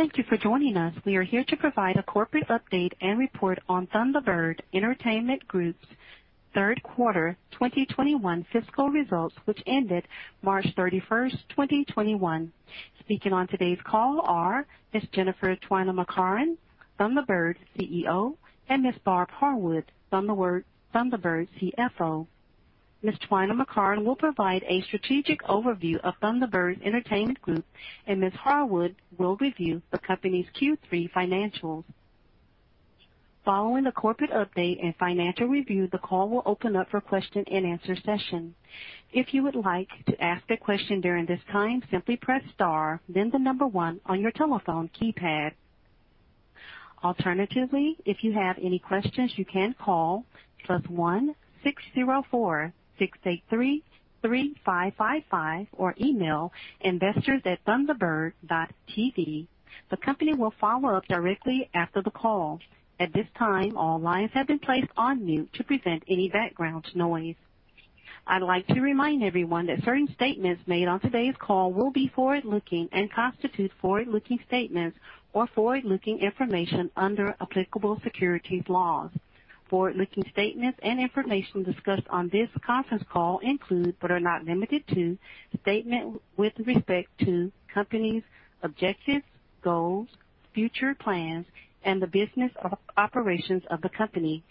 Thank you for joining us. We are here to provide a corporate update and report on Thunderbird Entertainment Group's third quarter 2021 fiscal results, which ended March 31st, 2021. Speaking on today's call are Ms. Jennifer Twiner McCarron, Thunderbird CEO, and Ms. Barb Harwood, Thunderbird CFO. Ms. Twiner McCarron will provide a strategic overview of Thunderbird Entertainment Group, and Ms. Harwood will give you the company's Q3 financials. Following the corporate update and financial review, the call will open up for question and answer session. If you would like to ask a question during this time, simply press star then the number one on your telephone keypad. Alternatively, if you have any questions, you can call +16046833555 or email investors@thunderbird.tv. The company will follow up directly after the call. At this time, all lines have been placed on mute to prevent any background noise. I'd like to remind everyone that certain statements made on today's call will be forward-looking and constitute forward-looking statements or forward-looking information under applicable securities laws. Forward-looking statements and information discussed on this conference call include but are not limited to statements with respect to companies, objectives, goals, future plans, and the business operations of the company.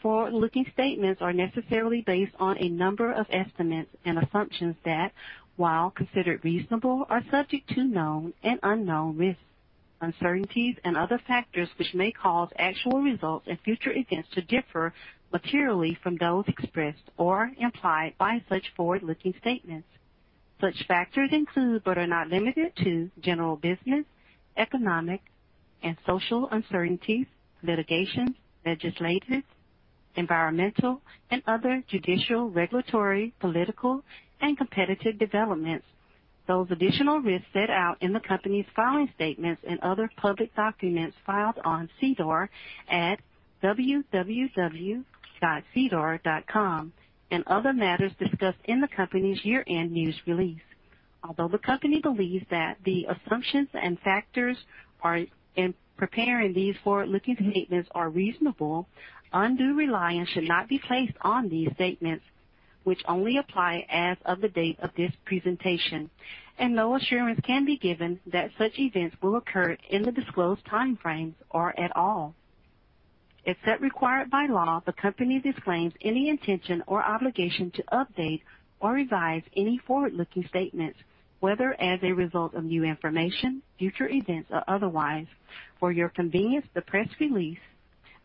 Forward-looking statements are necessarily based on a number of estimates and assumptions that, while considered reasonable, are subject to known and unknown risks, uncertainties, and other factors which may cause actual results and future events to differ materially from those expressed or implied by such forward-looking statements. Such factors include but are not limited to general business, economic, and social uncertainties, litigation, legislations, environmental and other judicial, regulatory, political, and competitive developments. Those additional risks set out in the company's filing statements and other public documents filed on SEDAR at www.sedar.com and other matters discussed in the company's year-end news release. Although the company believes that the assumptions and factors in preparing these forward-looking statements are reasonable, undue reliance should not be placed on these statements, which only apply as of the date of this presentation, and no assurance can be given that such events will occur in the disclosed time frames or at all. Except required by law, the company disclaims any intention or obligation to update or revise any forward-looking statements, whether as a result of new information, future events, or otherwise. For your convenience, the press release,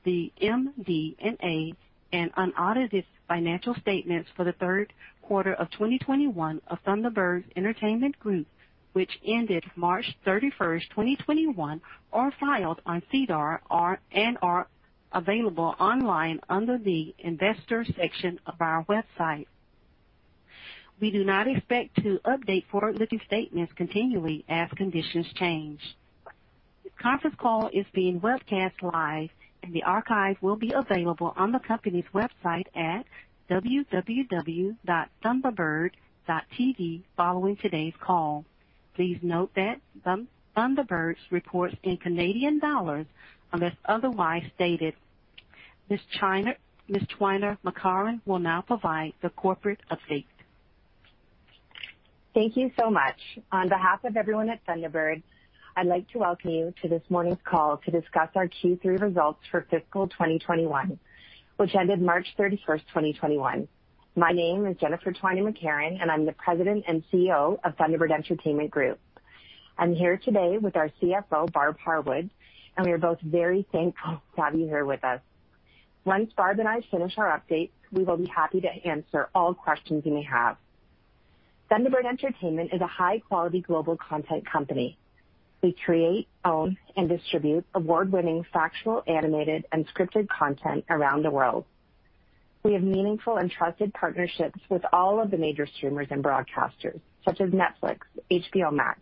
the MD&A, and unaudited financial statements for the third quarter of 2021 of Thunderbird Entertainment Group, which ended March 31st, 2021, are filed on SEDAR and are available online under the Investors section of our website. We do not expect to update forward-looking statements continually as conditions change. The conference call is being webcast live, and the archive will be available on the company's website at www.thunderbird.tv following today's call. Please note that Thunderbird reports in Canadian dollars unless otherwise stated. Ms. Twiner McCarron will now provide the corporate update. Thank you so much. On behalf of everyone at Thunderbird, I'd like to welcome you to this morning's call to discuss our Q3 results for fiscal 2021, which ended March 31st, 2021. My name is Jennifer Twiner McCarron, and I'm the President and CEO of Thunderbird Entertainment Group. I'm here today with our CFO, Barb Harwood, and we are both very thankful to have you here with us. Once Barb and I finish our update, we will be happy to answer all questions you may have. Thunderbird Entertainment is a high-quality global content company. We create, own, and distribute award-winning factual, animated, and scripted content around the world. We have meaningful and trusted partnerships with all of the major streamers and broadcasters such as Netflix, HBO Max,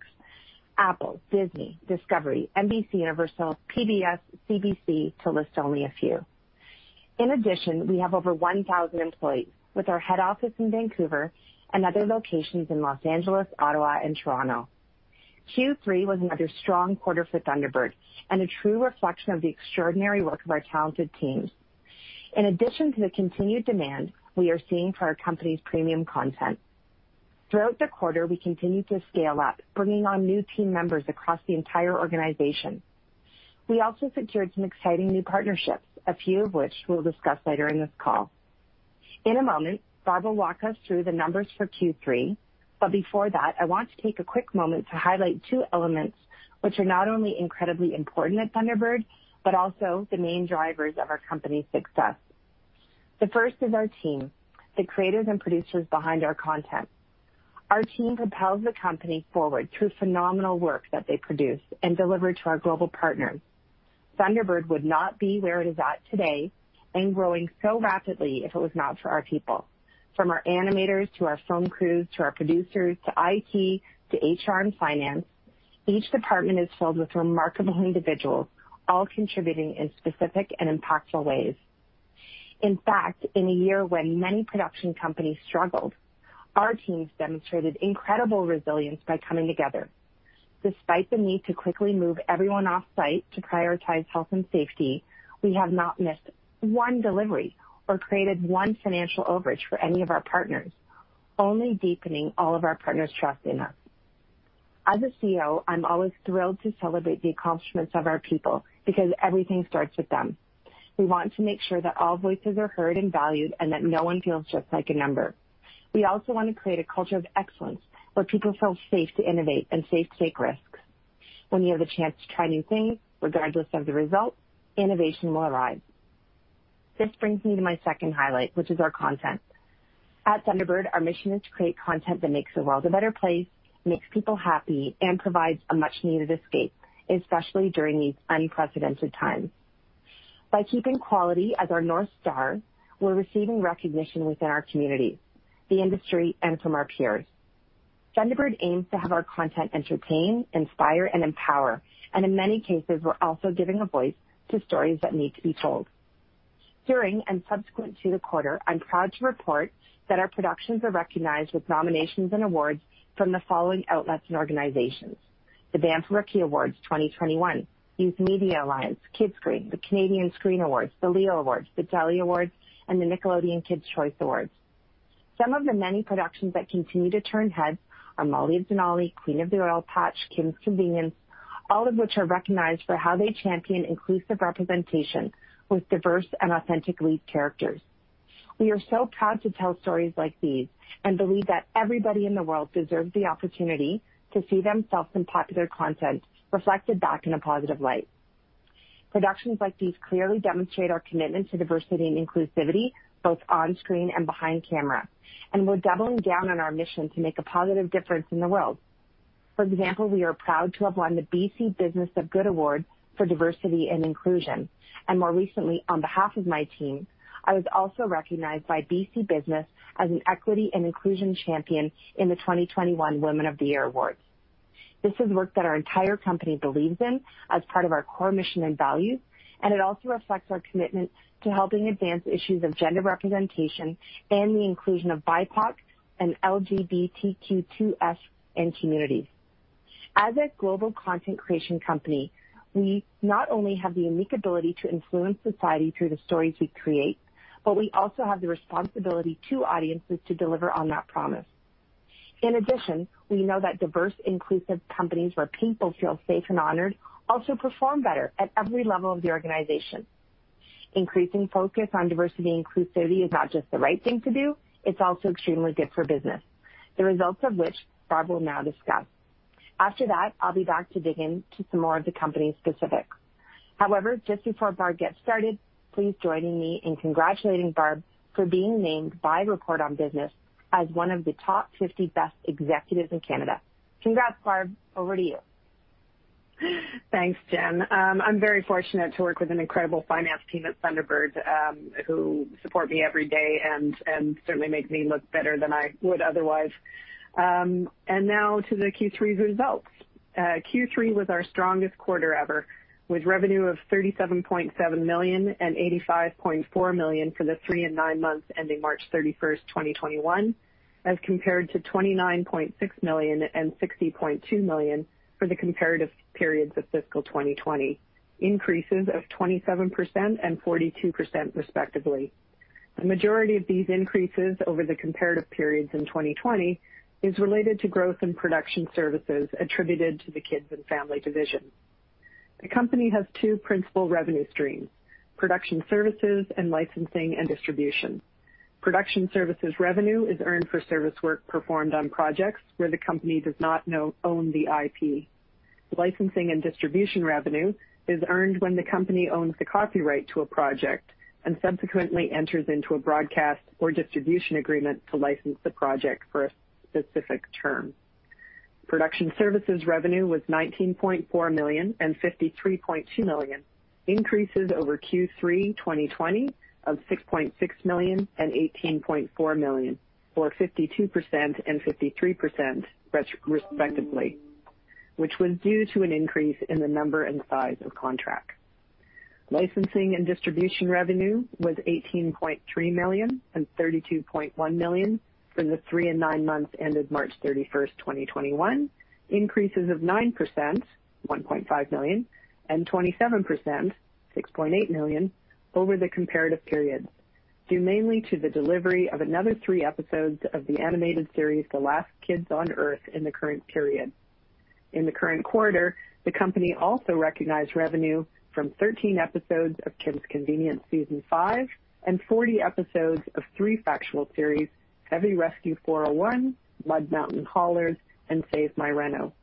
Apple, Disney, Discovery, NBCUniversal, PBS, CBC, to list only a few. In addition, we have over 1,000 employees, with our head office in Vancouver and other locations in L.A., Ottawa, and Toronto. Q3 was another strong quarter for Thunderbird and a true reflection of the extraordinary work of our talented teams, in addition to the continued demand we are seeing for our company's premium content. Throughout the quarter, we continued to scale up, bringing on new team members across the entire organization. We also secured some exciting new partnerships, a few of which we'll discuss later in this call. In a moment, Barb will walk us through the numbers for Q3, but before that, I want to take a quick moment to highlight two elements which are not only incredibly important at Thunderbird, but also the main drivers of our company's success. The first is our team, the creators and producers behind our content. Our team propels the company forward through phenomenal work that they produce and deliver to our global partners. Thunderbird would not be where it is at today and growing so rapidly if it was not for our people. From our animators to our film crews, to our producers, to IT, to HR, and finance, each department is filled with remarkable individuals, all contributing in specific and impactful ways. In fact, in a year when many production companies struggled, our teams demonstrated incredible resilience by coming together. Despite the need to quickly move everyone off-site to prioritize health and safety, we have not missed one delivery or created one financial overage for any of our partners, only deepening all of our partners' trust in us. As a CEO, I'm always thrilled to celebrate the accomplishments of our people because everything starts with them. We want to make sure that all voices are heard and valued and that no one feels just like a number. We also want to create a culture of excellence where people feel safe to innovate and safe to take risks. When you have a chance to try new things, regardless of the result, innovation will arise. This brings me to my second highlight, which is our content. At Thunderbird, our mission is to create content that makes the world a better place, makes people happy, and provides a much-needed escape, especially during these unprecedented times. By keeping quality as our North Star, we're receiving recognition within our community, the industry, and from our peers. Thunderbird aims to have our content entertain, inspire, and empower. In many cases, we're also giving a voice to stories that need to be told. During and subsequent to the quarter, I'm proud to report that our productions are recognized with nominations and awards from the following outlets and organizations: the Banff Rockie Awards 2021, Youth Media Alliance, Kidscreen, the Canadian Screen Awards, the Leo Awards, the Daytime Emmy Awards, and the Nickelodeon Kids' Choice Awards. Some of the many productions that continue to turn heads are "Molly of Denali," "Queen of the Oil Patch," "Kim's Convenience," all of which are recognized for how they champion inclusive representation with diverse and authentic lead characters. We are so proud to tell stories like these and believe that everybody in the world deserves the opportunity to see themselves in popular content reflected back in a positive light. Productions like these clearly demonstrate our commitment to diversity and inclusivity both on-screen and behind camera. We're doubling down on our mission to make a positive difference in the world. For example, we are proud to have won the BC Business of Good Award for diversity and inclusion. More recently, on behalf of my team, I was also recognized by BC Business as an equity and inclusion champion in the 2021 Women of the Year Awards. This is work that our entire company believes in as part of our core mission and values, and it also reflects our commitment to helping advance issues of gender representation and the inclusion of BIPOC and LGBTQ2S+ in communities. As a global content creation company, we not only have the unique ability to influence society through the stories we create, but we also have the responsibility to audiences to deliver on that promise. In addition, we know that diverse, inclusive companies where people feel safe and honored also perform better at every level of the organization. Increasing focus on diversity inclusivity is not just the right thing to do, it's also extremely good for business, the results of which Barb will now discuss. After that, I'll be back to dig in to some more of the company specifics. However, just before Barb gets started, please join me in congratulating Barb for being named by Report on Business as one of the Top 50 Best Executives in Canada. Congrats, Barb. Over to you. Thanks, Jen. I am very fortunate to work with an incredible finance team at Thunderbird Entertainment Group, who support me every day and certainly make me look better than I would otherwise. Now to the Q3 results. Q3 was our strongest quarter ever, with revenue of 37.7 million and 85.4 million for the three and nine months ending March 31, 2021, as compared to 29.6 million and 60.2 million for the comparative periods of fiscal 2020, increases of 27% and 42% respectively. The majority of these increases over the comparative periods in 2020 is related to growth in production services attributed to the kids and family division. The company has two principal revenue streams, production services and licensing and distribution. Production services revenue is earned for service work performed on projects where the company does not own the IP. Licensing and distribution revenue is earned when the company owns the copyright to a project and subsequently enters into a broadcast or distribution agreement to license the project for a specific term. Production services revenue was CAD 19.4 million and CAD 53.2 million, increases over Q3 2020 of CAD 6.6 million and 18.4 million, or 52% and 53% respectively, which was due to an increase in the number and size of contracts. Licensing and distribution revenue was CAD 18.3 million and CAD 32.1 million for the three and nine months ended March 31st, 2021, increases of 9%, 1.5 million, and 27%, 6.8 million, over the comparative period, due mainly to the delivery of another three episodes of the animated series "The Last Kids on Earth" in the current period. In the current quarter, the company also recognized revenue from 13 episodes of "Kim's Convenience" Season 5 and 40 episodes of three factual series, "Heavy Rescue: 401," "Mud Mountain Haulers," and "Save My Reno."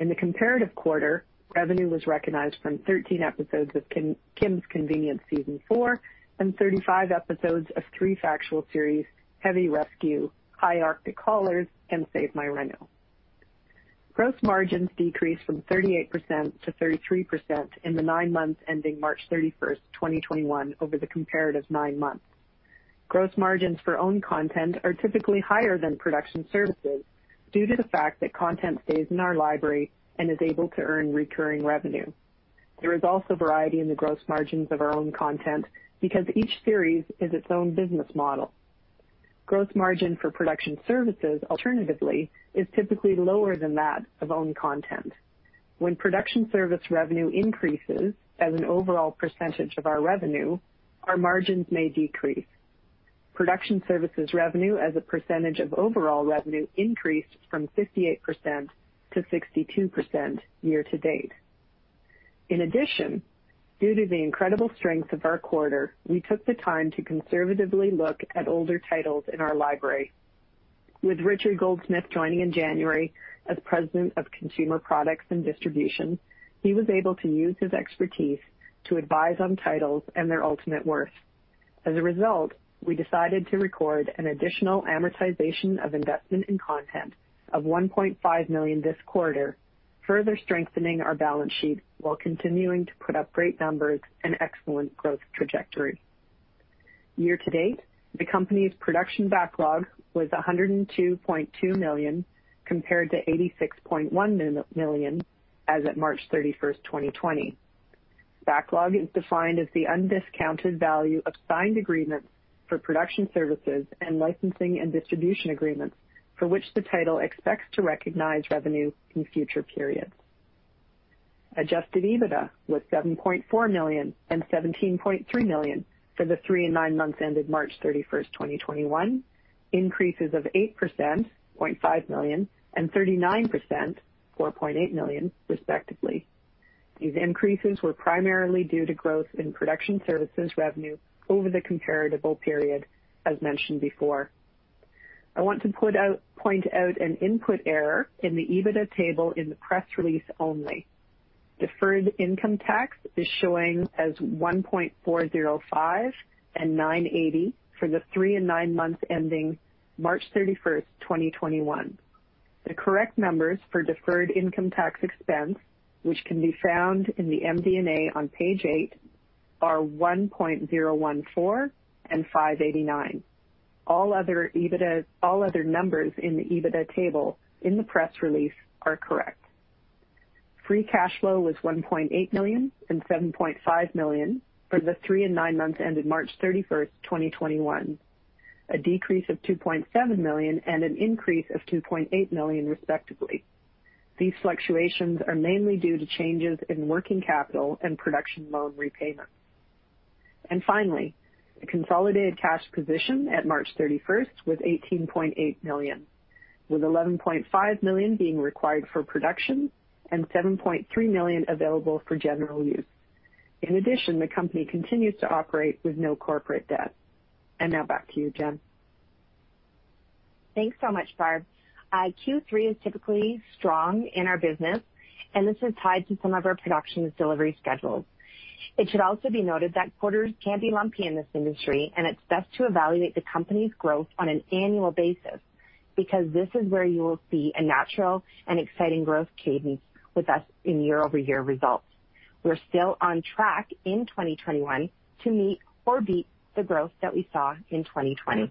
In the comparative quarter, revenue was recognized from 13 episodes of "Kim's Convenience" Season 4 and 35 episodes of three factual series, "Heavy Rescue," "High Arctic Haulers," and "Save My Reno." Gross margins decreased from 38% to 33% in the nine months ending March 31st, 2021, over the comparative nine months. Gross margins for owned content are typically higher than production services due to the fact that content stays in our library and is able to earn recurring revenue. There is also variety in the gross margins of our own content because each series is its own business model. Gross margin for production services, alternatively, is typically lower than that of own content. When production service revenue increases as an overall percentage of our revenue, our margins may decrease. Production services revenue as a percentage of overall revenue increased from 58% to 62% year-to-date. In addition, due to the incredible strength of our quarter, we took the time to conservatively look at older titles in our library. With Richard Goldsmith joining in January as President of Consumer Products and Distribution, he was able to use his expertise to advise on titles and their ultimate worth. As a result, we decided to record an additional amortization of investment in content of 1.5 million this quarter, further strengthening our balance sheet while continuing to put up great numbers and excellent growth trajectory. Year-to-date, the company's production backlog was 102.2 million, compared to 86.1 million as of March 31st, 2020. Backlog is defined as the undiscounted value of signed agreements for production services and licensing and distribution agreements for which the title expects to recognize revenue in future periods. Adjusted EBITDA was CAD 7.4 million and CAD 17.3 million for the three and nine months ended March 31, 2021, increases of 8%, 0.5 million, and 39%, 4.8 million respectively. These increases were primarily due to growth in production services revenue over the comparable period as mentioned before. I want to point out an input error in the EBITDA table in the press release only. Deferred income tax is showing as 1.405 and 980 for the three and nine months ending March 31, 2021. The correct numbers for deferred income tax expense, which can be found in the MD&A on page eight, are 1.014 and 589. All other numbers in the EBITDA table in the press release are correct. Free cash flow was 1.8 million and 7.5 million for the three and nine months ended March 31st, 2021, a decrease of 2.7 million and an increase of 2.8 million respectively. These fluctuations are mainly due to changes in working capital and production loan repayments. Finally, the consolidated cash position at March 31st was 18.8 million, with 11.5 million being required for production and 7.3 million available for general use. In addition, the company continues to operate with no corporate debt. Now back to you, Jen. Thanks so much, Barb. Q3 is typically strong in our business, and this is tied to some of our production and delivery schedules. It should also be noted that quarters can be lumpy in this industry, and it's best to evaluate the company's growth on an annual basis because this is where you will see a natural and exciting growth cadence with us in year-over-year results. We're still on track in 2021 to meet or beat the growth that we saw in 2020.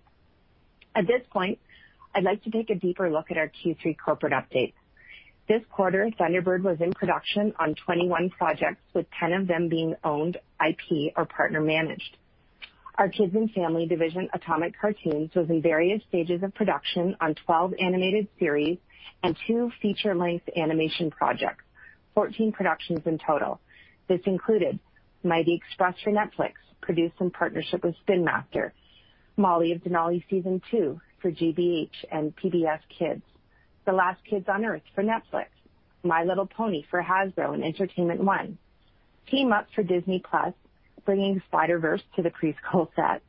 At this point, I'd like to take a deeper look at our Q3 corporate update. This quarter, Thunderbird was in production on 21 projects, with 10 of them being owned, IP, or partner managed. Our kids and family division, Atomic Cartoons, was in various stages of production on 12 animated series and two feature-length animation projects, 14 productions in total. This included Mighty Express for Netflix, produced in partnership with Spin Master. Molly of Denali Season 2 for GBH and PBS Kids. The Last Kids on Earth for Netflix. My Little Pony for Hasbro and Entertainment One. Team Up for Disney+, bringing Spider-Verse to the preschool set.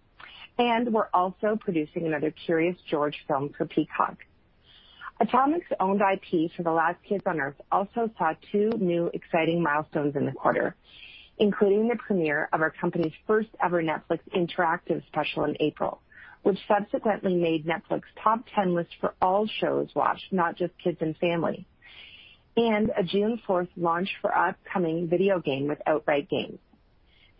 We're also producing another Curious George film for Peacock. Atomic Cartoons' owned IP for The Last Kids on Earth also saw two new exciting milestones in the quarter, including the premiere of our company's first-ever Netflix interactive special in April, which subsequently made Netflix's top 10 list for all shows watched, not just kids and family. A June 4th launch for our upcoming video game with Outright Games.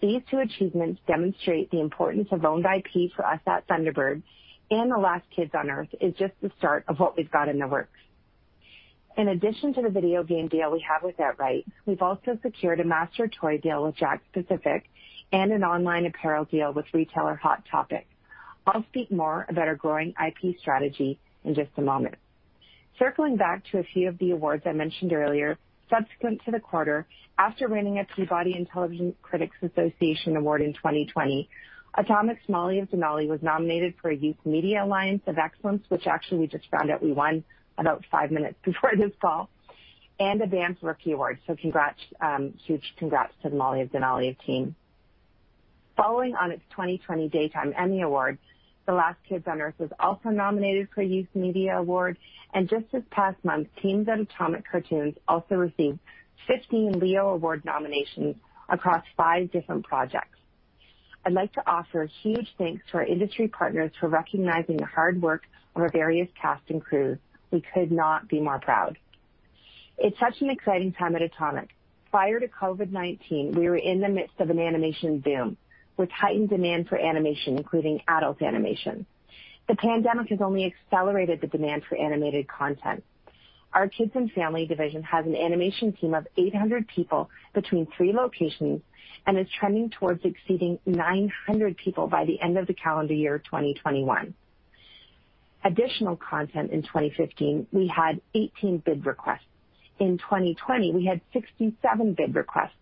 These two achievements demonstrate the importance of owned IP for us at Thunderbird Entertainment, and The Last Kids on Earth is just the start of what we've got in the works. In addition to the video game deal we have with Outright Games, we've also secured a master toy deal with Jakks Pacific and an online apparel deal with retailer Hot Topic. I'll speak more about our growing IP strategy in just a moment. Circling back to a few of the awards I mentioned earlier, subsequent to the quarter, after winning a Peabody Television Critics Association Award in 2020, Atomic Cartoons' Molly of Denali was nominated for a Youth Media Alliance of Excellence, which actually we just found out we won about 5 minutes before this call, and a Banff Rockie Award. Huge congrats to the Molly of Denali team. Following on its 2020 Daytime Emmy Award, The Last Kids on Earth was also nominated for a Youth Media Award, and just this past month, teams at Atomic Cartoons also received 16 Leo Award nominations across five different projects. I'd like to offer a huge thanks to our industry partners for recognizing the hard work of our various cast and crews. We could not be more proud. It's such an exciting time at Atomic. Prior to COVID-19, we were in the midst of an animation boom with heightened demand for animation, including adult animation. The pandemic has only accelerated the demand for animated content. Our kids and family division has an animation team of 800 people between three locations and is trending towards exceeding 900 people by the end of the calendar year 2021. Additional content in 2015, we had 18 bid requests. In 2020, we had 67 bid requests,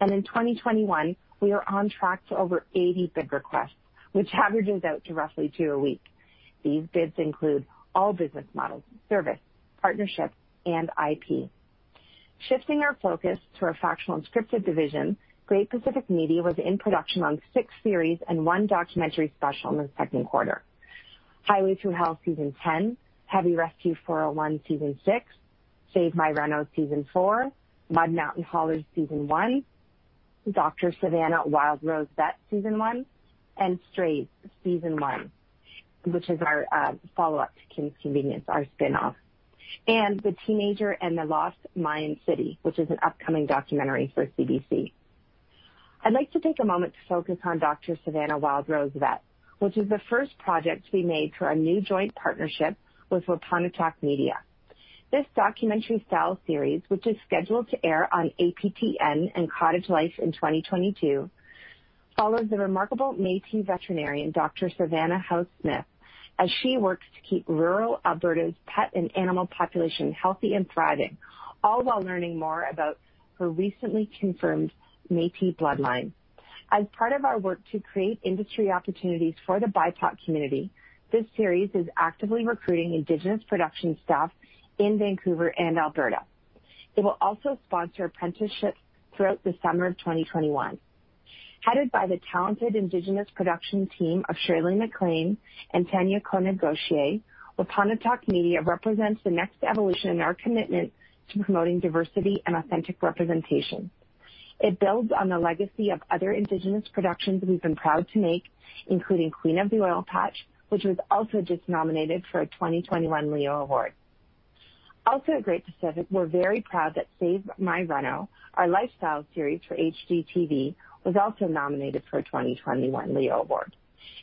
and in 2021, we are on track to over 80 bid requests, which averages out to roughly two a week. These bids include all business models, service, partnership, and IP. Shifting our focus to our factual and scripted division, Great Pacific Media was in production on six series and one documentary special in the second quarter. Highway Thru Hell" Season 10, "Heavy Rescue: 401" Season 6, "Save My Reno" Season 4, "Mud Mountain Haulers" Season 1, "Dr. Savannah: Wild Rose Vet" Season 1, and "Strays" Season 1, which is our follow-up to "Kim's Convenience," our spinoff, and "The Teenager and The Lost Mayan City," which is an upcoming documentary for CBC. I'd like to take a moment to focus on "Dr. Savannah: Wild Rose Vet," which is the first project we made for our new joint partnership with Wapanatahk Media. This documentary-style series, which is scheduled to air on APTN and Cottage Life in 2022, follows the remarkable Métis veterinarian, Dr. Savannah Howse-Smith, as she works to keep rural Alberta's pet and animal population healthy and thriving, all while learning more about her recently confirmed Métis bloodline. As part of our work to create industry opportunities for the BIPOC community, this series is actively recruiting Indigenous production staff in Vancouver and Alberta. It will also sponsor apprenticeships throughout the summer of 2021. Headed by the talented Indigenous production team of Shirley McLean and Tania Koenig-Gauchier, Wapanatahk Media represents the next evolution in our commitment to promoting diversity and authentic representation. It builds on the legacy of other Indigenous productions we've been proud to make, including "Queen of the Oil Patch," which was also just nominated for a 2021 Leo Award. At Great Pacific, we're very proud that "Save My Reno," our lifestyle series for HGTV, was also nominated for a 2021 Leo Award.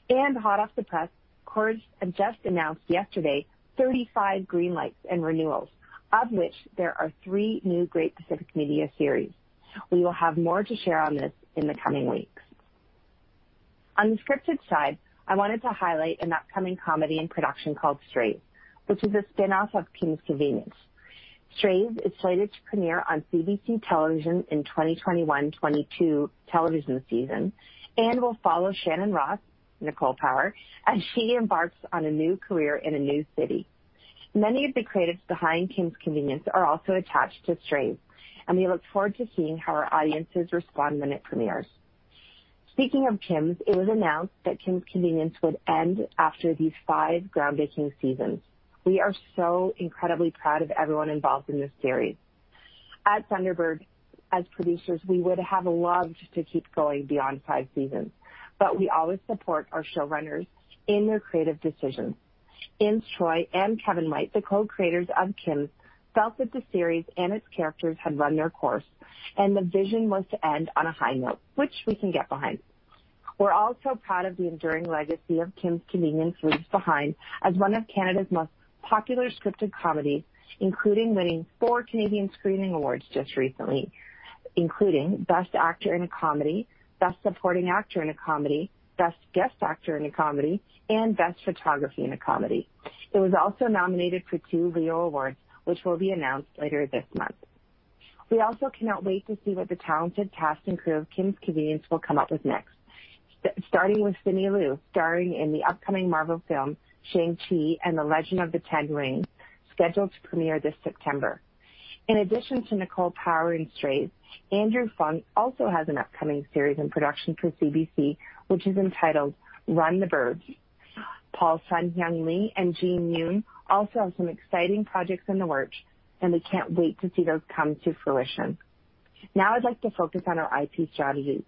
Hot off the press, Corus just announced yesterday 35 green lights and renewals, of which there are three new Great Pacific Media series. We will have more to share on this in the coming weeks. On the scripted side, I wanted to highlight an upcoming comedy in production called "Strays," which is a spinoff of "Kim's Convenience." "Strays" is slated to premiere on CBC television in 2021/22 television season and will follow Shannon Ross, Nicole Power, as she embarks on a new career in a new city. Many of the creatives behind "Kim's Convenience" are also attached to "Strays," and we look forward to seeing how our audiences respond when it premieres. Speaking of "Kim's," it was announced that "Kim's Convenience" would end after these five groundbreaking seasons. We are so incredibly proud of everyone involved in this series. At Thunderbird, as producers, we would have loved to keep going beyond five seasons, but we always support our showrunners in their creative decisions. Ins Choi and Kevin White, the co-creators of "Kim's" felt that the series and its characters had run their course, and the vision was to end on a high note, which we can get behind. We're also proud of the enduring legacy of "Kim's Convenience" leaves behind as one of Canada's most popular scripted comedies, including winning four Canadian Screen Awards just recently, including Best Actor in a Comedy, Best Supporting Actor in a Comedy, Best Guest Actor in a Comedy, and Best Photography in a Comedy. It was also nominated for two Leo Awards, which will be announced later this month. We also cannot wait to see what the talented cast and crew of "Kim's Convenience" will come up with next, starting with Simu Liu, starring in the upcoming Marvel film, "Shang-Chi and the Legend of the Ten Rings," scheduled to premiere this September. In addition to Nicole Power in Strays, Andrew Phung also has an upcoming series in production for CBC, which is entitled Run the Burbs. Paul Sun-Hyung Lee and Jean Yoon also have some exciting projects in the works, and we can't wait to see those come to fruition. Now, I'd like to focus on our IP strategy.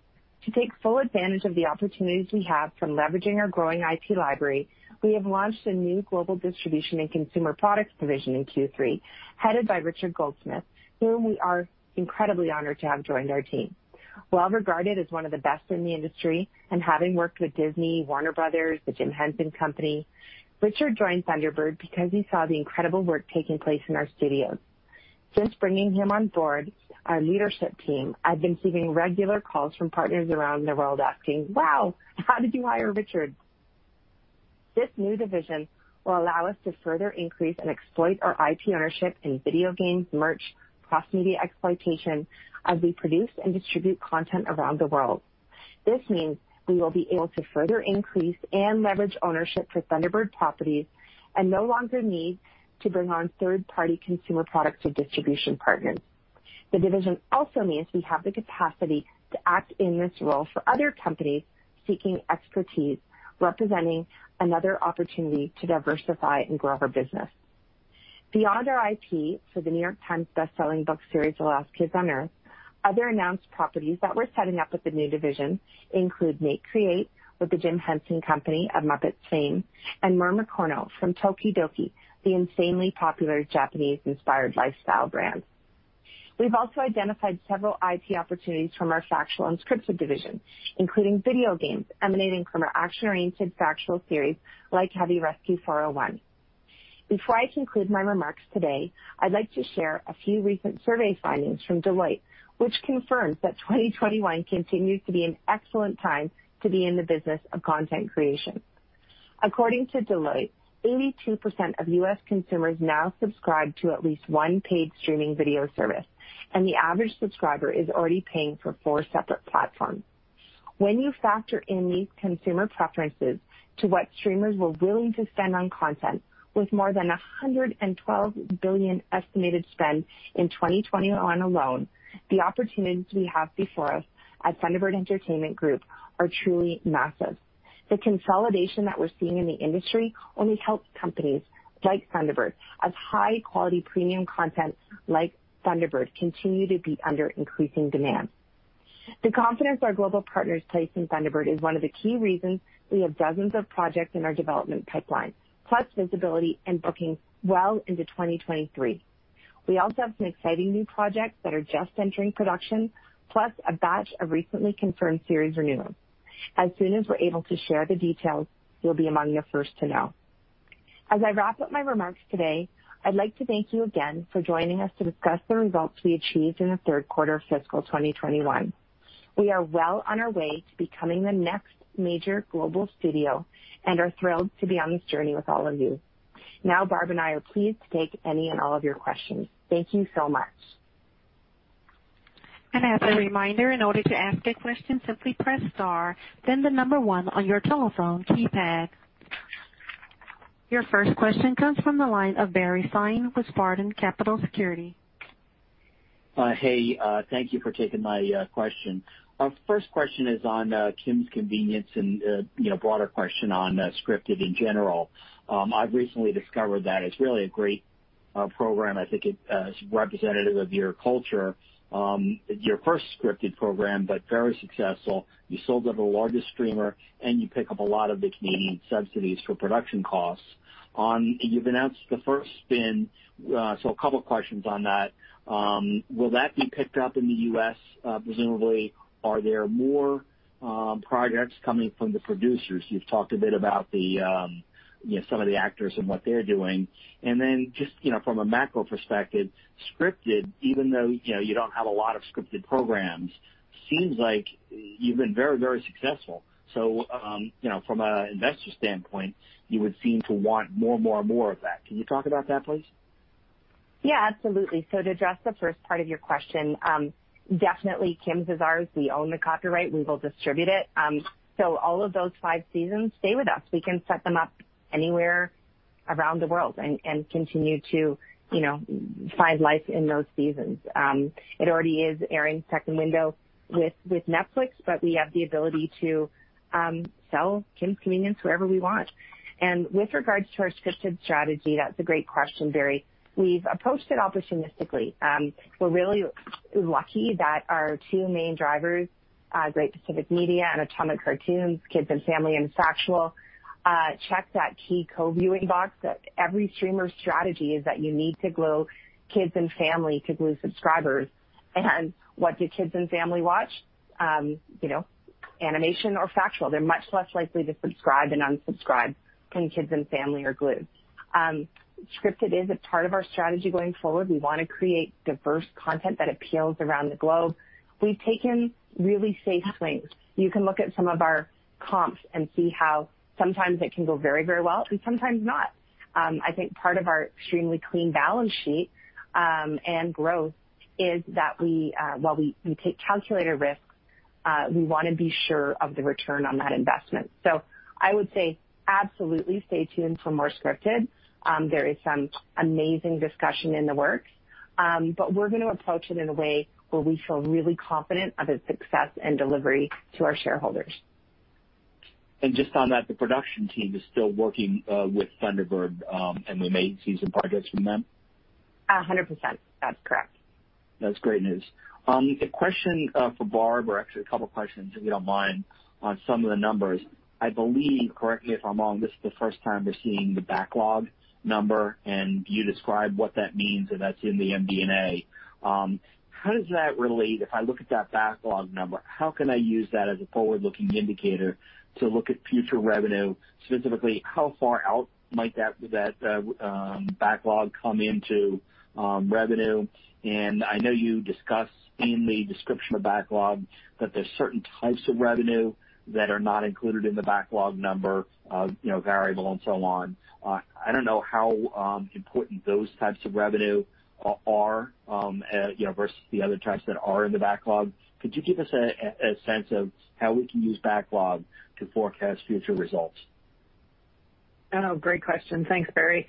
To take full advantage of the opportunities we have from leveraging our growing IP library, we have launched a new global distribution and consumer products division in Q3, headed by Richard Goldsmith, whom we are incredibly honored to have joined our team. Well regarded as one of the best in the industry and having worked with Disney, Warner Bros., The Jim Henson Company, Richard joined Thunderbird because he saw the incredible work taking place in our studios. Since bringing him on board our leadership team, I've been receiving regular calls from partners around the world asking, "Wow, how did you hire Richard?" This new division will allow us to further increase and exploit our IP ownership in video games, merch, cross-media exploitation as we produce and distribute content around the world. This means we will be able to further increase and leverage ownership for Thunderbird properties and no longer need to bring on third-party consumer products or distribution partners. The division also means we have the capacity to act in this role for other companies seeking expertise, representing another opportunity to diversify and grow our business. Beyond our IP for The New York Times bestselling book series, The Last Kids on Earth. Other announced properties that we're setting up with the new division include Make Create with The Jim Henson Company of Muppets fame, and Mermicorno from Tokidoki, the insanely popular Japanese-inspired lifestyle brand. We've also identified several IP opportunities from our factual and scripted division, including video games emanating from our action-oriented factual series like Heavy Rescue: 401. Before I conclude my remarks today, I'd like to share a few recent survey findings from Deloitte, which confirms that 2021 continues to be an excellent time to be in the business of content creation. According to Deloitte, 82% of U.S. consumers now subscribe to at least one paid streaming video service, and the average subscriber is already paying for seperate separate platforms. When you factor in these consumer preferences to what streamers were willing to spend on content, with more than 112 billion estimated spend in 2021 alone, the opportunities we have before us at Thunderbird Entertainment Group are truly massive. The consolidation that we're seeing in the industry only helps companies like Thunderbird, as high-quality premium content like Thunderbird continue to be under increasing demand. The confidence our global partners place in Thunderbird is one of the key reasons we have dozens of projects in our development pipeline, plus visibility and booking well into 2023. We also have some exciting new projects that are just entering production, plus a batch of recently confirmed series renewals. As soon as we're able to share the details, you'll be among the first to know. As I wrap up my remarks today, I'd like to thank you again for joining us to discuss the results we achieved in the third quarter of fiscal 2021. We are well on our way to becoming the next major global studio and are thrilled to be on this journey with all of you. Barb and I are pleased to take any and all of your questions. Thank you so much. As a reminder, in order to ask a question, simply press star, then the number one on your telephone keypad. Your first question comes from the line of Barry Sine with Spartan Capital Securities. Hey, thank you for taking my question. Our first question is on Kim's Convenience and a broader question on scripted in general. I've recently discovered that it's really a great program. I think it is representative of your culture. Your first scripted program, but very successful. You sold to the largest streamer, and you pick up a lot of the Canadian subsidies for production costs. You've announced the first spin, so a couple of questions on that. Will that be picked up in the U.S., presumably? Are there more projects coming from the producers? You've talked a bit about some of the actors and what they're doing. Just from a macro perspective, scripted, even though you don't have a lot of scripted programs, seems like you've been very successful. From an investor standpoint, you would seem to want more of that. Can you talk about that, please? Yeah, absolutely. To address the first part of your question, definitely Kim's is ours. We own the copyright, and we'll distribute it. All of those five seasons stay with us. We can set them up anywhere around the world and continue to find life in those seasons. It already is airing second window with Netflix, we have the ability to sell Kim's Convenience wherever we want. With regards to our scripted strategy, that's a great question, Barry. We've approached it opportunistically. We're really lucky that our two main drivers, like Great Pacific Media and Atomic Cartoons, kids and family, and factual, check that key co-viewing box that every streamer strategy is that you need to grow kids and family to grow subscribers. What do kids and family watch? Animation or factual. They're much less likely to subscribe and unsubscribe when kids and family are glued. Scripted is a part of our strategy going forward. We want to create diverse content that appeals around the globe. We've taken really safe swings. You can look at some of our comps and see how sometimes it can go very well, and sometimes not. I think part of our extremely clean balance sheet and growth is that while we take calculated risks, we want to be sure of the return on that investment. I would say absolutely stay tuned for more scripted. There is some amazing discussion in the works. We're going to approach it in a way where we feel really confident of its success and delivery to our shareholders. Just on that, the production team is still working with Thunderbird, and we may see some projects from them? 100%. That's correct. That's great news. A question for Barb, or actually a couple of questions if you don't mind, on some of the numbers. I believe, correct me if I'm wrong, this is the first time we're seeing the backlog number, and you describe what that means, and that's in the MD&A. How does that relate, if I look at that backlog number, how can I use that as a forward-looking indicator to look at future revenue? Specifically, how far out might that backlog come into revenue? I know you discussed in the description of backlog that there's certain types of revenue that are not included in the backlog number, variable and so on. I don't know how important those types of revenue are versus the other types that are in the backlog. Could you give us a sense of how we can use backlog to forecast future results? Oh, great question. Thanks, Barry.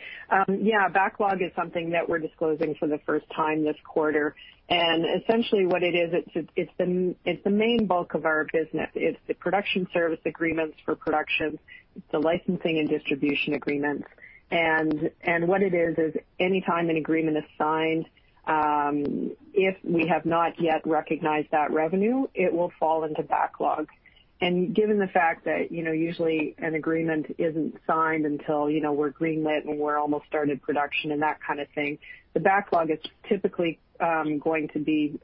Yeah, backlog is something that we're disclosing for the first time this quarter. Essentially what it is, it's the main bulk of our business. It's the production service agreements for production, it's the licensing and distribution agreements. What it is any time an agreement is signed, if we have not yet recognized that revenue, it will fall into backlog. Given the fact that usually an agreement isn't signed until we're green-lit and we're almost starting production and that kind of thing, the backlog is typically going to be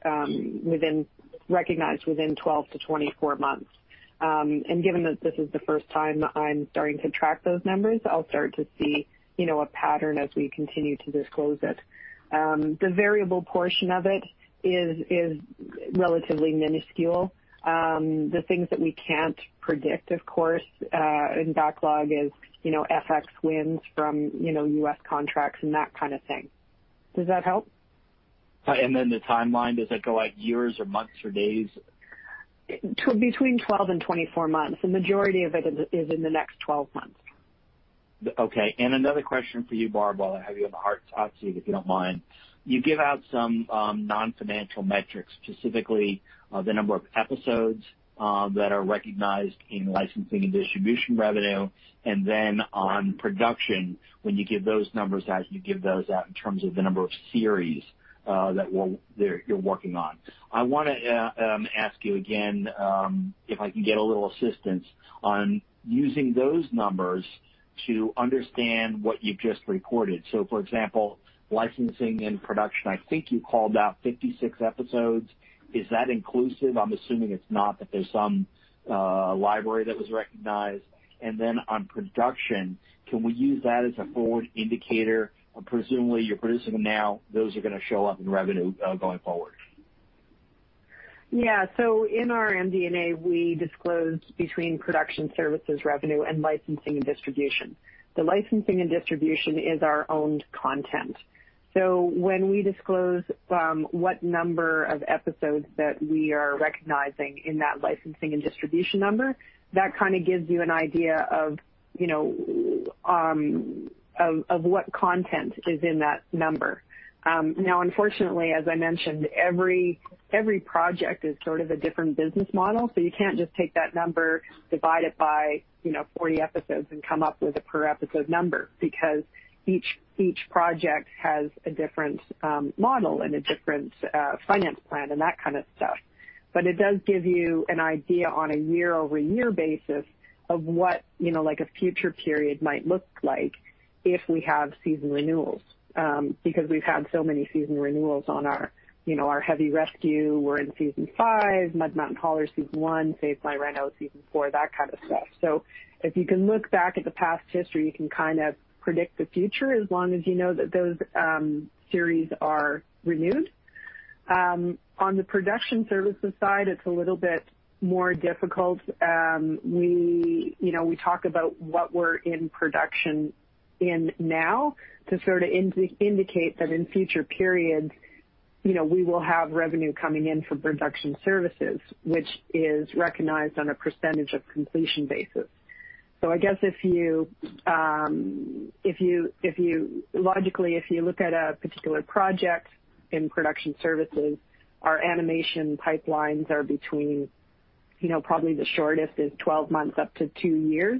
recognized within 12-24 months. Given that this is the first time I'm starting to track those numbers, I'll start to see a pattern as we continue to disclose it. The variable portion of it is relatively minuscule. The things that we can't predict, of course, in backlog is FX wins from U.S. contracts and that kind of thing. Does that help? The timeline, does it go years or months or days? Between 12 and 24 months. The majority of it is in the next 12 months. Okay. Another question for you, Barb, while I have you on the hot seat, if you don't mind. You give out some non-financial metrics, specifically the number of episodes that are recognized in licensing and distribution revenue, then on production, when you give those numbers out, you give those out in terms of the number of series that you're working on. I want to ask you again, if I can get a little assistance on using those numbers to understand what you've just reported. For example, licensing and production, I think you called out 56 episodes. Is that inclusive? I'm assuming it's not, that there's some library that was recognized. Then on production, can we use that as a forward indicator? Presumably, you're producing them now. Those are going to show up in revenue going forward. In our MD&A, we disclose between production services revenue and licensing and distribution. The licensing and distribution is our owned content. When we disclose what number of episodes that we are recognizing in that licensing and distribution number, that gives you an idea of what content is in that number. Unfortunately, as I mentioned, every project is a different business model. You can't just take that number, divide it by 40 episodes, and come up with a per-episode number because each project has a different model and a different finance plan and that kind of stuff. It does give you an idea on a year-over-year basis of what a future period might look like if we have season renewals, because we've had so many season renewals on our Heavy Rescue: 401, we're in season 5, Mud Mountain Haulers, season 1, Save My Reno, season 4, that kind of stuff. If you can look back at the past history, you can predict the future as long as you know that those series are renewed. On the production services side, it's a little bit more difficult. We talk about what we're in production in now to indicate that in future periods, we will have revenue coming in from production services, which is recognized on a percentage of completion basis. I guess logically, if you look at a particular project in production services, our animation pipelines are between probably the shortest is 12 months up to two years.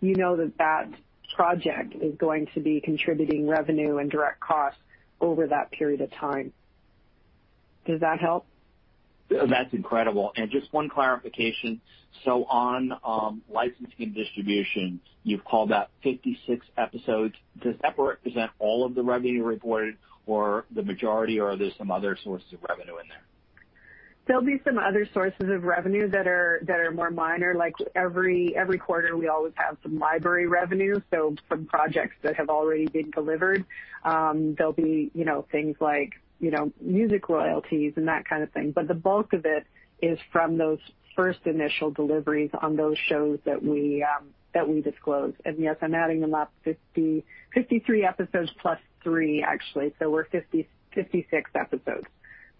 You know that project is going to be contributing revenue and direct costs over that period of time. Does that help? That's incredible. Just one clarification. On licensing and distribution, you've called out 56 episodes. Does that represent all of the revenue reported or the majority or are there some other sources of revenue in there? There'll be some other sources of revenue that are more minor, like every quarter, we always have some library revenue, so some projects that have already been delivered. There'll be things like music royalties and that kind of thing. The bulk of it is from those first initial deliveries on those shows that we disclose. Yes, I'm adding them up, 53 episodes plus three, actually. We're 56 episodes.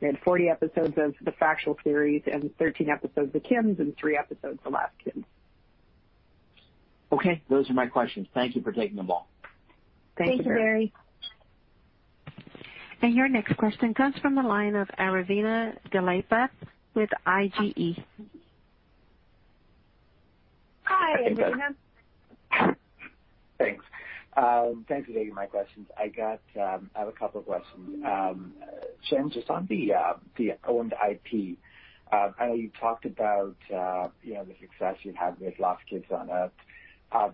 We have 40 episodes of the factual series and 13 episodes of Kim's and three episodes of "The Last Kids. Okay. Those are my questions. Thank you for taking them all. Thank you, Barry. Your next question comes from the line of Aravinda Galappatthige with IGE. Hi, Aravinda. Thanks. Thanks for taking my questions. I have a couple questions. Jennifer Twiner McCarron, just on the owned IP, I know you talked about the success you're having with The Last Kids on Earth.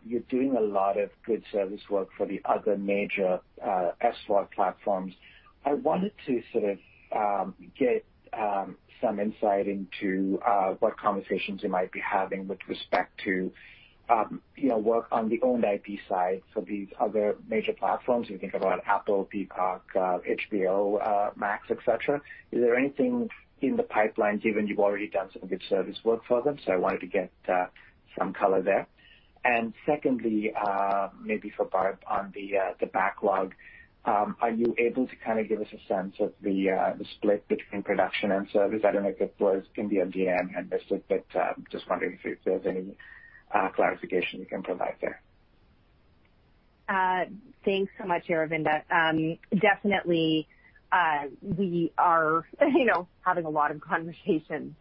You're doing a lot of good service work for the other major SVOD platforms. I wanted to get some insight into what conversations you might be having with respect to work on the owned IP side for these other major platforms. You think about Apple, Peacock, HBO Max, et cetera. Is there anything in the pipeline, given you've already done some good service work for them? I wanted to get some color there. Secondly, maybe for Barb Harwood on the backlog, are you able to give us a sense of the split between production and service element that flows in the MD&A? Just wondering if there's any clarification you can provide there. Thanks so much, Aravinda. Definitely, we are having a lot of conversations.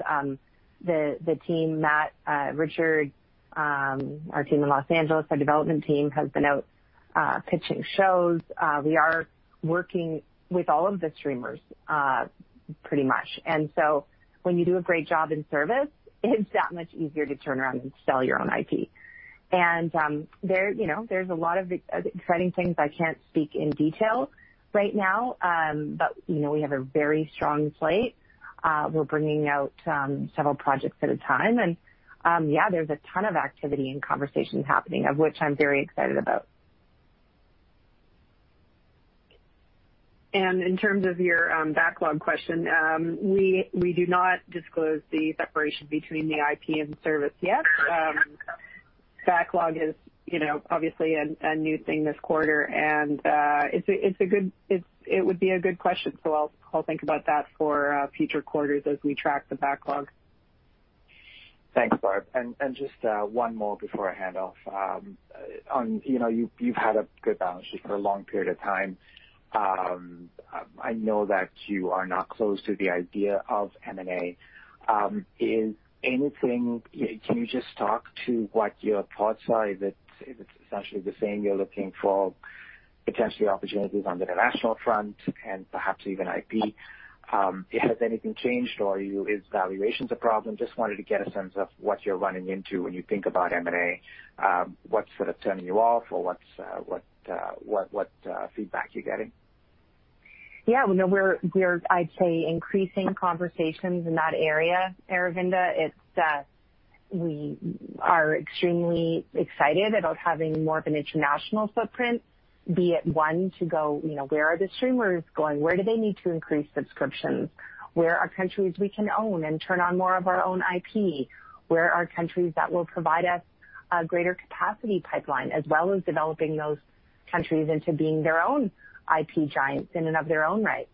The team, Matt, Richard, our team in Los Angeles, our development team, has been out pitching shows. We are working with all of the streamers, pretty much. When you do a great job in service, it's that much easier to turn around and sell your own IP. There's a lot of exciting things I can't speak in detail right now. We have a very strong slate. We're bringing out several projects at a time, and yeah, there's a ton of activity and conversations happening, of which I'm very excited about. In terms of your backlog question, we do not disclose the separation between the IP and service yet. Backlog is obviously a new thing this quarter, and it would be a good question, so I will think about that for future quarters as we track the backlog. Thanks, Barb. Just one more before I hand off. You've had a good balance sheet for a long period of time. I know that you are not closed to the idea of M&A. Can you just talk to what your thoughts are? If it's essentially the same, you're looking for potential opportunities on the international front and perhaps even IP. Has anything changed or is valuation a problem? Just wanted to get a sense of what you're running into when you think about M&A. What's sort of turning you off or what feedback you're getting? Yeah, we're, I'd say, increasing conversations in that area, Aravinda. It's that we are extremely excited about having more of an international footprint, be it, one, to go, where are the streamers going? Where do they need to increase subscriptions? Where are countries we can own and turn on more of our own IP? Where are countries that will provide us a greater capacity pipeline, as well as developing those countries into being their own IP giants in and of their own right?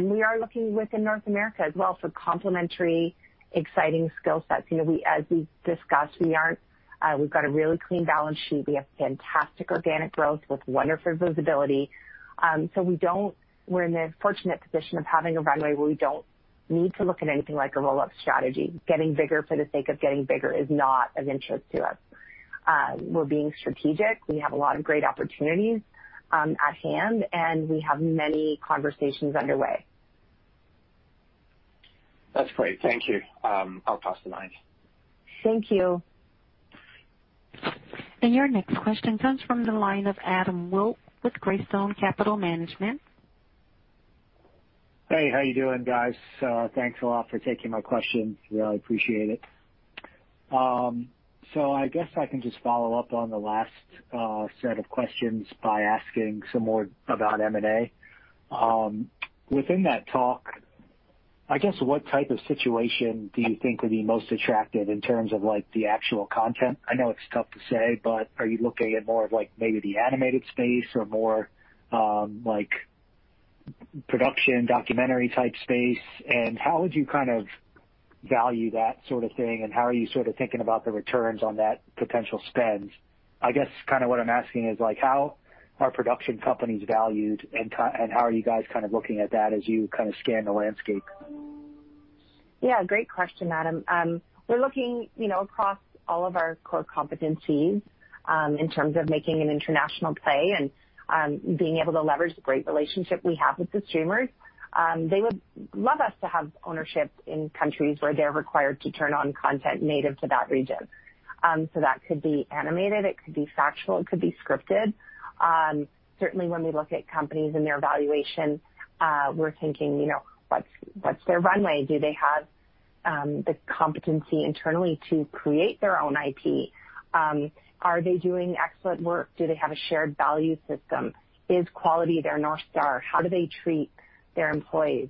We are looking within North America as well for complementary, exciting skill sets. As we've discussed, we've got a really clean balance sheet. We have fantastic organic growth with wonderful visibility. We're in the fortunate position of having a runway where we don't need to look at anything like a roll-up strategy. Getting bigger for the sake of getting bigger is not of interest to us. We're being strategic. We have a lot of great opportunities at hand, and we have many conversations underway. That's great. Thank you. I'll pass to line. Thank you. Your next question comes from the line of Adam Wilk with Greystone Capital Management. Hey, how you doing, guys? Thanks a lot for taking my questions. Really appreciate it. I guess I can just follow up on the last set of questions by asking some more about M&A. Within that talk, I guess, what type of situation do you think would be most attractive in terms of the actual content? I know it's tough to say, are you looking at more of maybe the animated space or more production, documentary type space, and how would you value that sort of thing, and how are you thinking about the returns on that potential spend? I guess what I'm asking is how are production companies valued and how are you guys looking at that as you scan the landscape? Yeah. Great question, Adam. We're looking across all of our core competencies in terms of making an international play and being able to leverage the great relationship we have with the streamers. They would love us to have ownership in countries where they're required to turn on content native to that region. That could be animated, it could be factual, it could be scripted. Certainly, when we look at companies and their valuation, we're thinking, what's their runway? Do they have the competency internally to create their own IP? Are they doing excellent work? Do they have a shared value system? Is quality their North Star? How do they treat their employees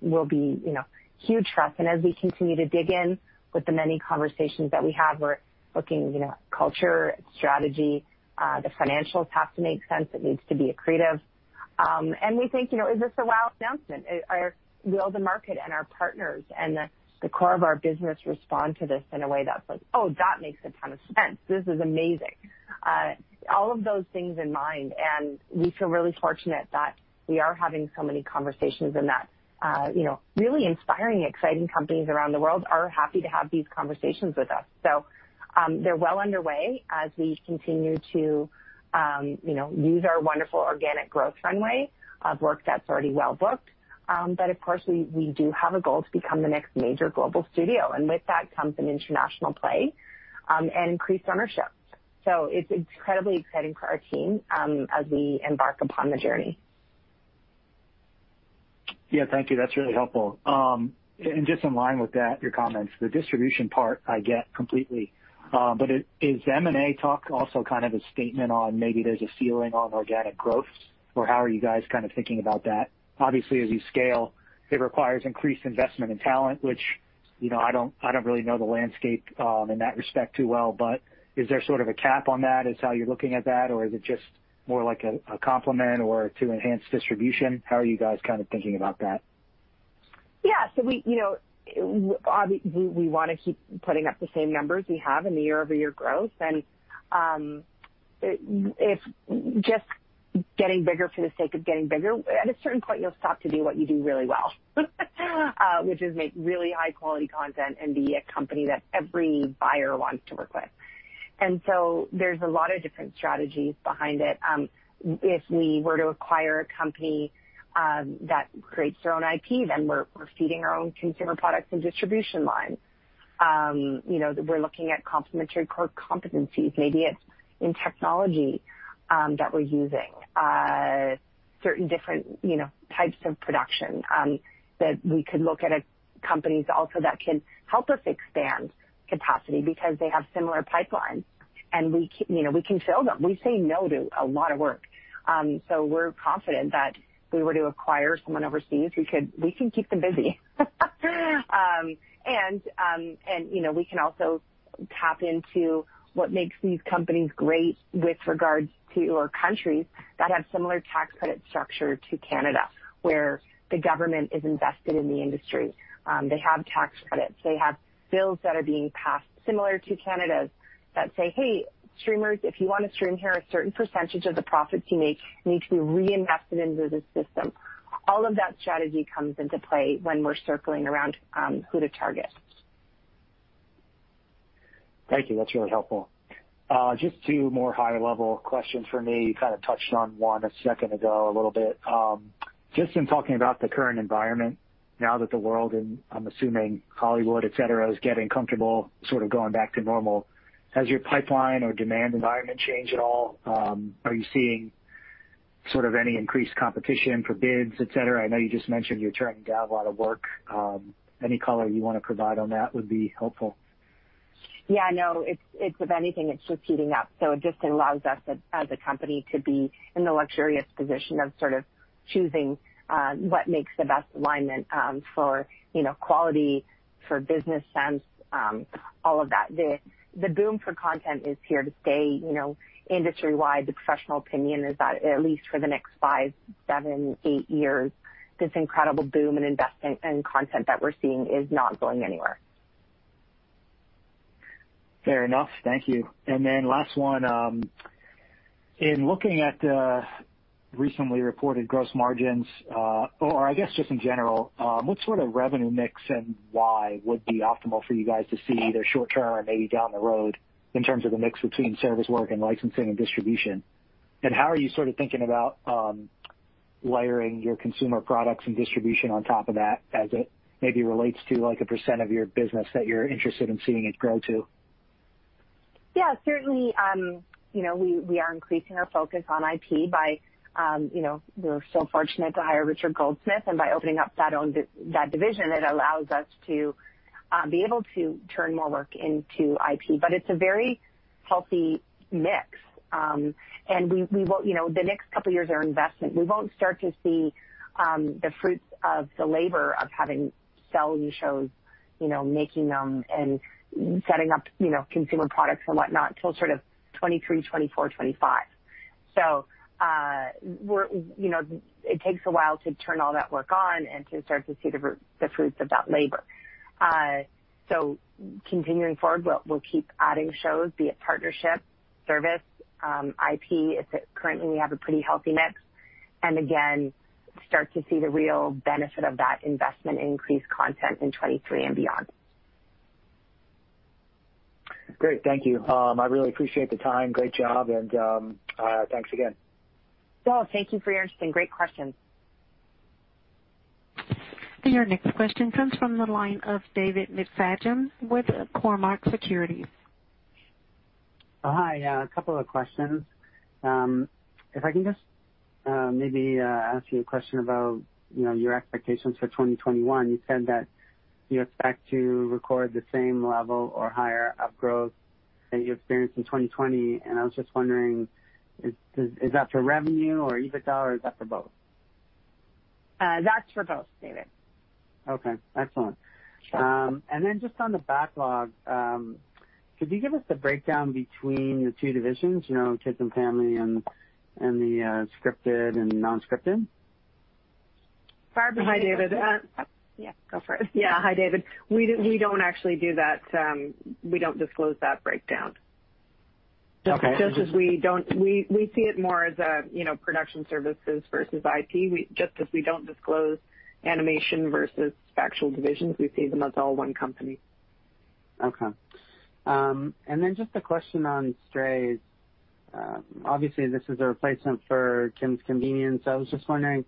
will be huge for us. As we continue to dig in with the many conversations that we have, we're looking at culture, strategy. The financials have to make sense. It needs to be accretive. We think, is this a wow announcement? Will the market and our partners and the core of our business respond to this in a way that is like, "Oh, that makes a ton of sense. This is amazing." All of those things in mind, we feel really fortunate that we are having so many conversations and that really inspiring, exciting companies around the world are happy to have these conversations with us. They are well underway as we continue to use our wonderful organic growth runway of work that is already well booked. Of course, we do have a goal to become the next major global studio, and with that comes an international play and increased ownership. It is incredibly exciting for our team as we embark upon the journey. Yeah, thank you. That's really helpful. Just in line with that, your comments, the distribution part I get completely. Is M&A talk also kind of a statement on maybe there's a ceiling on organic growth? How are you guys thinking about that? Obviously, as you scale, it requires increased investment in talent, which I don't really know the landscape in that respect too well, but is there sort of a cap on that? Is how you're looking at that, or is it just more like a complement or to enhance distribution? How are you guys thinking about that? Yeah. We want to keep putting up the same numbers we have in the year-over-year growth. If just getting bigger for the sake of getting bigger, at a certain point, you'll stop doing what you do really well, which is make really high-quality content and be a company that every buyer wants to work with. There's a lot of different strategies behind it. If we were to acquire a company that creates their own IP, then we're feeding our own consumer products and distribution lines. We're looking at complementary core competencies, maybe it's in technology that we're using, certain different types of production that we could look at a company also that can help us expand capacity because they have similar pipelines, and we can sell them. We say no to a lot of work. We're confident that if we were to acquire someone overseas, we can keep them busy. We can also tap into what makes these companies great with regards to countries that have similar tax credit structure to Canada, where the government is invested in the industry. They have tax credits, they have bills that are being passed similar to Canada's that say, "Hey, streamers, if you want to stream here, a certain percentage of the profits you make need to be reinvested into the system." All of that strategy comes into play when we're circling around who to target. Thank you. That's really helpful. Just two more high-level questions from me. You kind of touched on one a second ago a little bit. Just in talking about the current environment now that the world and I'm assuming Hollywood, et cetera, is getting comfortable sort of going back to normal, has your pipeline or demand environment changed at all? Are you seeing sort of any increased competition for bids, et cetera? I know you just mentioned you're turning down a lot of work. Any color you want to provide on that would be helpful. Yeah, no, it's with anything that's just heating up. It just allows us as a company to be in the luxurious position of sort of choosing what makes the best alignment for quality, for business sense, all of that. The boom for content is here to stay. Industry-wide, the professional opinion is that at least for the next five, seven, eight years, this incredible boom in investment and content that we're seeing is not going anywhere. Fair enough. Thank you. Last one, in looking at the recently reported gross margins, or I guess just in general, what sort of revenue mix and why would be optimal for you guys to see either short-term or maybe down the road in terms of the mix between service work and licensing and distribution? How are you sort of thinking about layering your consumer products and distribution on top of that as it maybe relates to a percentage of your business that you're interested in seeing it grow to? Yeah, certainly. We are increasing our focus on IP. We were so fortunate to hire Richard Goldsmith and by opening up that division, it allows us to be able to turn more work into IP. It's a very healthy mix. The next couple of years are investment. We won't start to see the fruits of the labor of having selling shows, making them, and setting up consumer products and whatnot until sort of 2023, 2024, 2025. It takes a while to turn all that work on and to start to see the fruits of that labor. Continuing forward, we'll keep adding shows, be it partnership, service, IP. Currently, we have a pretty healthy mix, and again, start to see the real benefit of that investment in increased content in 2023 and beyond. Great. Thank you. I really appreciate the time. Great job, and thanks again. Thank you for your interest and great questions. Your next question comes from the line of David McFadgen with Cormark Securities. Oh, hi. A couple of questions. If I can just maybe ask you a question about your expectations for 2021. You said that you expect to record the same level or higher of growth that you experienced in 2020, and I was just wondering, is that for revenue or EBITDA, or is that for both? That's for both, David. Okay. Excellent. Sure. Just on the backlog, could you give us a breakdown between the two divisions, kids and family and the scripted and non-scripted? Hi, David. Yeah, go for it. Yeah. Hi, David. We don't actually do that. We don't disclose that breakdown. Okay. Just as we see it more as a production services versus IP, just as we don't disclose animation versus factual divisions, we see them as all one company. Okay. Just a question on Strays. Obviously, this is a replacement for Kim's Convenience. I was just wondering,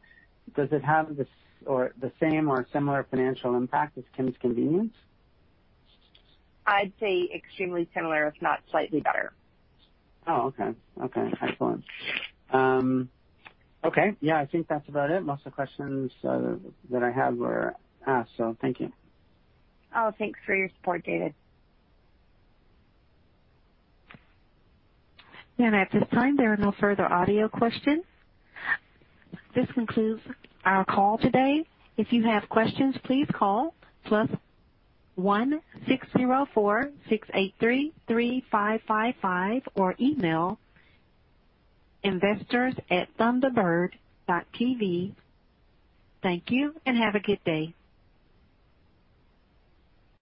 does it have the same or similar financial impact as Kim's Convenience? I'd say extremely similar, if not slightly better. Oh, okay. Excellent. Okay. Yeah, I think that's about it. Most of the questions that I had were asked, so thank you. Oh, thanks for your support, David. At this time, there are no further audio questions. This concludes our call today. If you have questions, please call +1 604-683-3555 or email investors@thunderbird.tv. Thank you and have a good day.